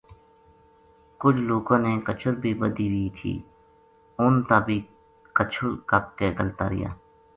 کُجھ لوکاں نے کچر بھی بَدھی وی تھی اُنھ تا بھی کَچھل کَپ کے گھَلتا رہیا